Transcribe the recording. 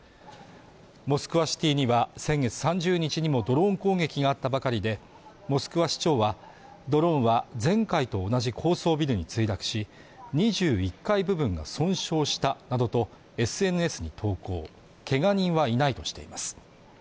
モスクワシティには先月３０日にもドローン攻撃があったばかりでモスクワ市長はドローンは前回と同じ高層ビルに墜落し２１階部分が損傷したなどとＳＮＳに投稿けが人はいないとしています